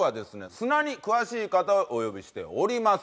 砂に詳しい方をお呼びしております。